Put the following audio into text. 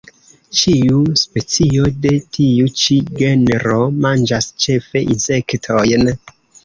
Ĉiu specio de tiu ĉi genro manĝas ĉefe insektojn.